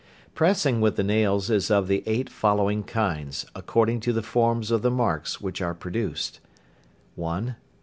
Pressing with the nails is of the eight following kinds, according to the forms of the marks which are produced, viz.